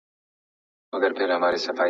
یو نړیوال حکومت کولای سي سوله راولي.